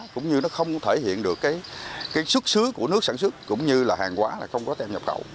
cũng như nó không thể hiện được cái xuất xứ của nước sản xuất cũng như là hàng hóa là không có tem nhập khẩu